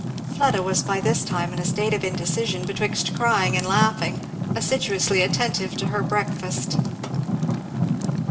Fleda was by this time in a state of indecision betwixt crying and laughing, assiduously attentive to her breakfast.